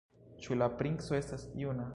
Ĉu la princo estas juna?